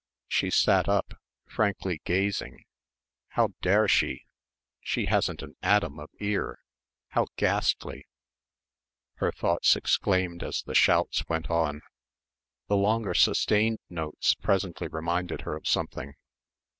She sat up, frankly gazing "How dare she? She hasn't an atom of ear how ghastly" her thoughts exclaimed as the shouts went on. The longer sustained notes presently reminded her of something.